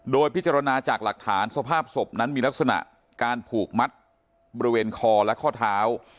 โดยพิจารณาจากหลักฐานสภาพศพนั้นมีลักษณะการผูกมัดบริเวณคอและข้อเท้า